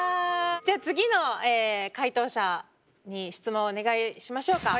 じゃあ次の回答者に質問をお願いしましょうか。